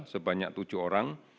sebanyak tujuh orang